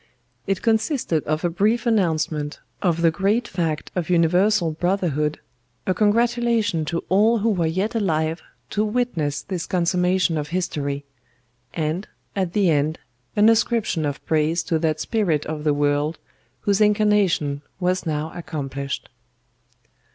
It consisted of a brief announcement of the great fact of Universal Brotherhood, a congratulation to all who were yet alive to witness this consummation of history; and, at the end, an ascription of praise to that Spirit of the World whose incarnation was now accomplished.